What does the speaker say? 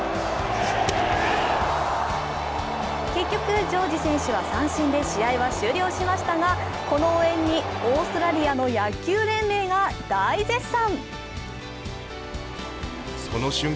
結局、ジョージ選手は三振で試合は終了しましたが、この応援にオーストラリアの野球連盟が大絶賛。